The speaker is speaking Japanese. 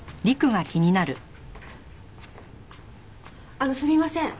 あのすみません。